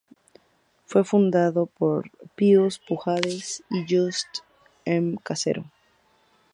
Fue fundado por Pius Pujades y Just M. Casero.